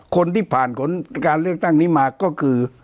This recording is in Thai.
คนที่ผ่านผลการเลือกตั้งนี้มาก็คือ